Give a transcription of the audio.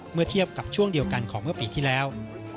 เมื่อเทียบกับช่วงเดียวกันของเมื่อปีที่แล้ว